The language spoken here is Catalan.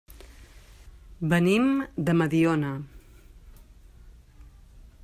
Venim de Mediona.